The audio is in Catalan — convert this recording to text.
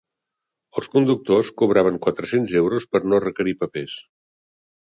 Els conductors cobraven quatre-cents euros per no requerir papers.